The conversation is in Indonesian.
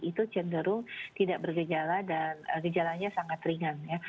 itu cenderung tidak bergejala dan gejalanya sangat ringan ya